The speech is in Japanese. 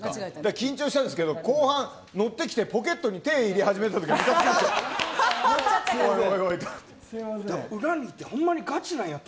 緊張したんですけど後半持ってきてポケットに手を入れ始めたときおいおいって。